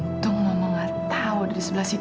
untung mama nggak tahu ada di sebelah situ